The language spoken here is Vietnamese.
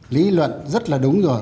lý luận rất là đúng rồi